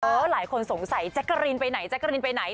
เออหลายคนสงสัยแจ็กเกอรีนไปไหน